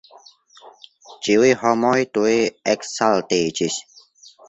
Ĉiuj homoj tuj ekzaltiĝis.